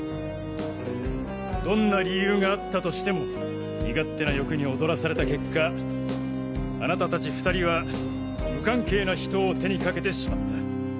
どんな理由があったとしても身勝手な欲に踊らされた結果あなた達２人は無関係な人を手に掛けてしまった。